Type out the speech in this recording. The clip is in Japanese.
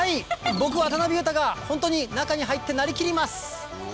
僕渡辺裕太がホントに中に入ってなりきります！